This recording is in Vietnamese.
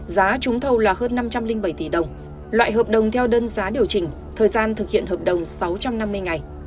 giá trúng thầu là hơn năm trăm linh bảy tỷ đồng loại hợp đồng theo đơn giá điều chỉnh thời gian thực hiện hợp đồng sáu trăm năm mươi ngày